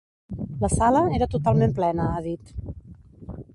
La sala era totalment plena, ha dit.